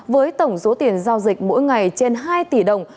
với tổng số tiền giao dịch mỗi ngày trên hai tỷ đồng